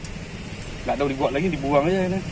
tidak ada yang dibuang lagi dibuang saja